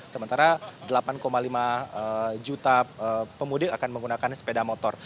sementara delapan lima juta pemudik akan menggunakan sepeda motor